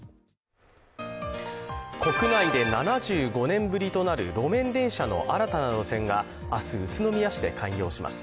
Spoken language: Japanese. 国内で７５年ぶりとなる路面電車の新たな路線が明日、宇都宮市で開業します。